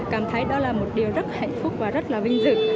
cảm thấy đó là một điều rất hạnh phúc và rất là vinh dự